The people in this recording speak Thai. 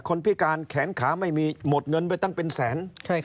พิการแขนขาไม่มีหมดเงินไปตั้งเป็นแสน